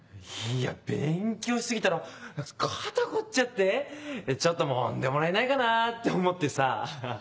いや勉強し過ぎたら肩凝っちゃってちょっともんでもらえないかなって思ってさ。